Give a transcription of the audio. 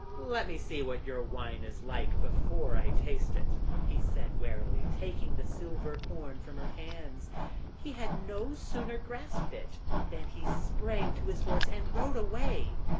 'Let me see what your wine is like before I taste it!' he said warily, taking the silver horn from her hands. He had no sooner grasped it, than he sprang to his horse and rode away.